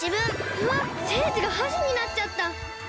うわっセージがはしになっちゃった！